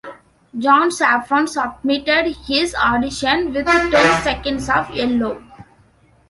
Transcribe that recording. John Safran submitted his audition with ten seconds of yellow.